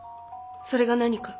それが何か？